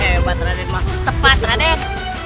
hebat raden tepat raden